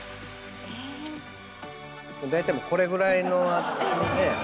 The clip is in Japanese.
だいたいこれぐらいの厚みで。